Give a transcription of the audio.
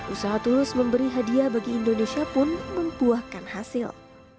usaha tulus memberi hadiah bagi indonesia pun membuahkan hasil